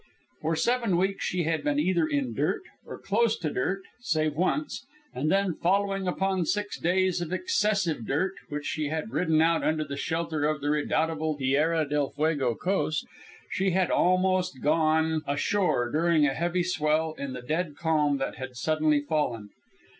For seven weeks she had been either in dirt, or close to dirt, save once, and then, following upon six days of excessive dirt, which she had ridden out under the shelter of the redoubtable Terra del Fuego coast, she had almost gone ashore during a heavy swell in the dead calm that had suddenly fallen.